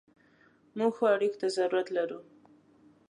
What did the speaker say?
موږ ښو اړیکو ته ضرورت لرو.